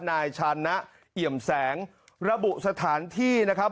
นายชานะเอี่ยมแสงระบุสถานที่นะครับ